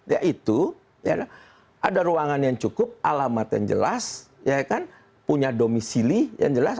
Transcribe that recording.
yaitu ada ruangan yang cukup alamat yang jelas ya kan punya domisili yang jelas